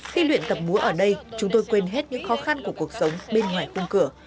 khi luyện tập múa ở đây chúng tôi quên hết những khó khăn của cuộc sống bên ngoài khung cửa